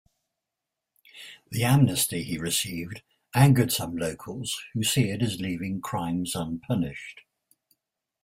The amnesty he received angered some locals, who see it as leaving crimes unpunished.